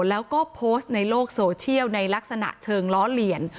แล้วก็โพสต์ในโลกโซเชียลในลักษณะเชิงล้อเลียน